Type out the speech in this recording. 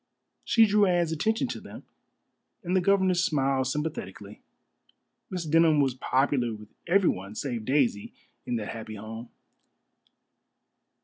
She drew Anne's attention to them, and the governess smiled sympathetically. Miss Denham was popular with everyone save Daisy in that happy home.